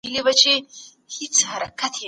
لومړني ښوونځي مهم دي.